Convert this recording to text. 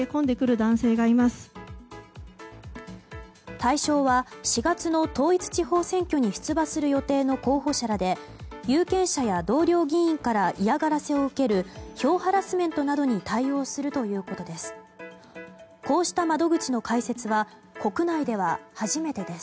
対象は４月の統一地方選挙に出馬する予定の候補者らで有権者や同僚議員から嫌がらせを受ける票ハラスメントなどに対応するということです。